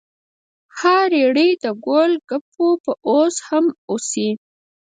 ها ریړۍ د ګول ګپو به اوس هم اوسي؟